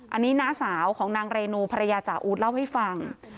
อันนี้น้าสาวของนางเรนูภรรยาจ่าอู๊ดเล่าให้ฟัง